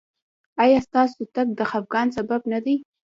ایا ستاسو تګ د خفګان سبب نه دی؟